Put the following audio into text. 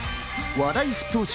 話題沸騰中